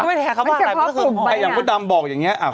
มันก็ไม่แทนคำว่าอะไรมันก็คืออย่างคุณดำบอกอย่างนี้